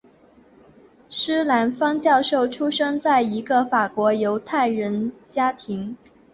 施兰芳教授出生在一个法国犹太人家庭。